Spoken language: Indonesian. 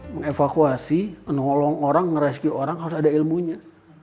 mengevakuasi nolong orang ngereski orang harus ada ilmunya